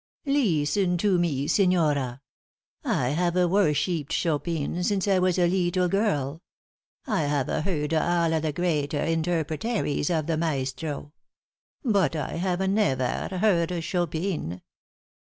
"Leesten to me, signora. I hava worsheeped Chopin since I was a leetle girl. I have heard alla the great interpretaires of the maestro. But I have nevaire heard Chopin.